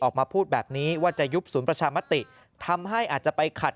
ออกมาพูดแบบนี้ว่าจะยุบศูนย์ประชามติทำให้อาจจะไปขัด